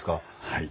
はい。